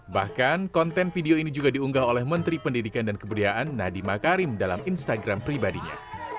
bahkan konten video ini juga diunggah oleh menteri pendidikan dan kebudayaan nadiem makarim dalam instagram pribadinya